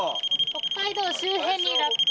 北海道周辺に落下。